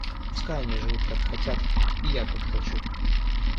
Пускай они живут как хотят, и я как хочу.